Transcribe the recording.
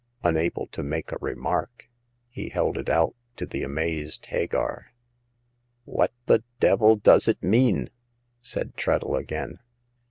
Unable to make a remark, he held it out to the amazed Hagar. " What the d— 1 does it mean ?" said Treadle again.